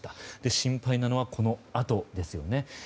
心配なのは、このあとですよね。